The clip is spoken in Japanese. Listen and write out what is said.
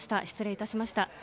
失礼いたしました。